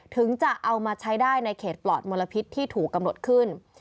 ถึงจะเอามาใช้ได้ในเขตปลอดมลพิษที่ถูกกำหนดขึ้น